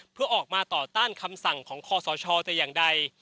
เพื่อออกมาต่อต้านคำสั่งของคอสชแต่อย่างใด